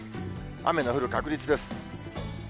雨の降る確率です。